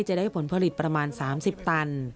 จะได้ผลผลิตประมาณ๓๐ตัน